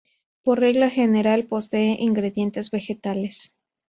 Por regla general posee ingredientes vegetales.